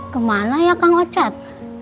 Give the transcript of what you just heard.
kemana ya kang ocat